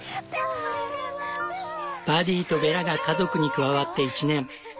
パディとベラが家族に加わって１年。